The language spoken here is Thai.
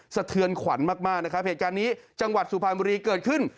สะเทือนขวัญมากมากนะครับเหตุการณ์นี้จังหวัดสุพรรณบุรีเกิดขึ้น